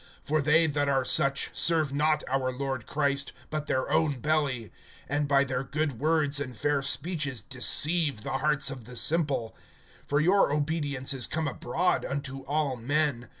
(18)For they that are such serve not our Lord Christ, but their own belly; and by their good words and fair speeches deceive the hearts of the simple. (19)For your obedience is come abroad unto all men.